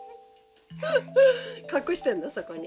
隠してるんだそこに。